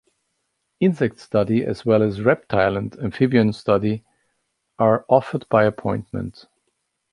Insect Study as well as Reptile and Amphibian Study are offered by appointment.